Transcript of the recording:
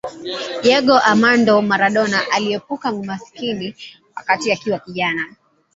Diego Armando Maradona aliepuka umaskini wakati akiwa kijana